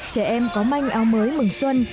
trẻ em có manh áo mới mừng xuân